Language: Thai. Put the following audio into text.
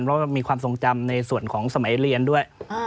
แล้วก็มีความทรงจำในส่วนของสมัยเรียนด้วย